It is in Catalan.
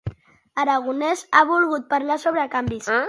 Aragonès ha volgut parlar sobre canvis?